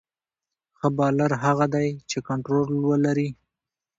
ښه بالر هغه دئ، چي کنټرول ولري.